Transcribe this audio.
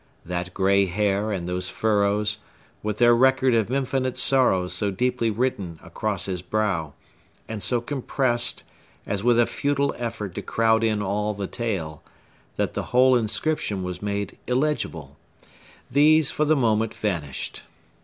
That gray hair, and those furrows,—with their record of infinite sorrow so deeply written across his brow, and so compressed, as with a futile effort to crowd in all the tale, that the whole inscription was made illegible,—these, for the moment, vanished.